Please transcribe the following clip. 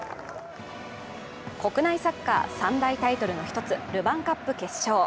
国内サッカー３大タイトルの１つ、ルヴァンカップ決勝。